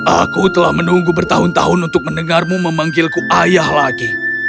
aku telah menunggu bertahun tahun untuk mendengarmu memanggilku ayah lagi